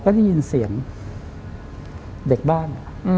ก็ได้ยินเสียงเด็กบ้าน